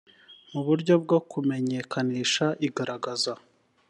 buryo bwo kumenyekanisha igaragaza